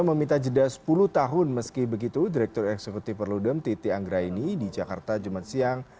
dia meminta jeda sepuluh tahun meski begitu direktur eksekutif berludem titi anggra ini di jakarta jumat siang